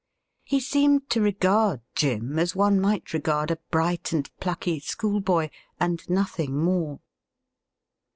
He seemed to regard Jim as one might regard a bright and plucky schoolboy — and nothing more.